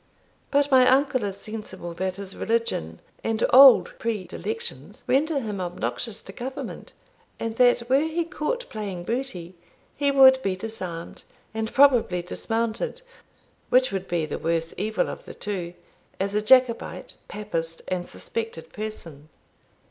But my uncle is sensible that his religion and old predilections render him obnoxious to Government, and that, were he caught playing booty, he would be disarmed, and probably dismounted (which would be the worse evil of the two), as a Jacobite, papist, and suspected person."